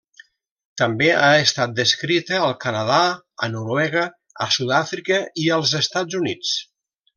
També ha estat descrita al Canadà, a Noruega, a Sud-àfrica i als Estats Units.